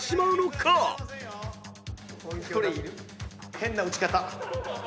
変な打ち方。